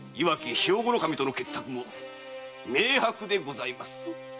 守との結託も明白でございます！